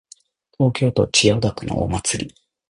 東京都千代田区のお祭り